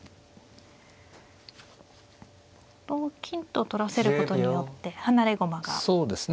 同金と取らせることによって離れ駒ができますね。